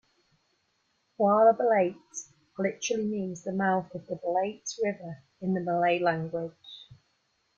"Kuala Belait" literally means "the mouth of the Belait River" in the Malay language.